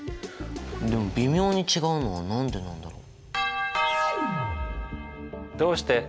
でも微妙に違うのは何でなんだろう？